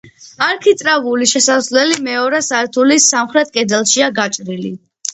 არქიტრავული შესასვლელი მეორე სართულის სამხრეთ კედელშია გაჭრილი.